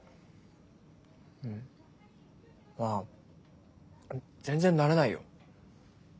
まあ全然慣れないよ。